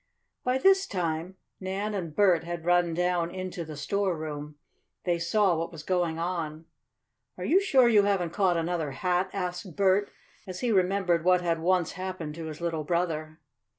By this time Nan and Bert had run down into the storeroom. They saw what was going on. "Are you sure you haven't caught another hat?" asked Bert, as he remembered what had once happened to his little brother.